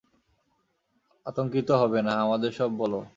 আতঙ্কিত হবে না, আমাদের সব বলো।